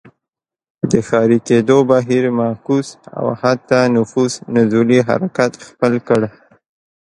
د ښاري کېدو بهیر معکوس او حتی نفوس نزولي حرکت خپل کړ.